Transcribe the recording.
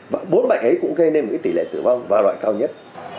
và bốn bệnh ấy cũng gây nên tỷ lệ tử vong và loại cao nhất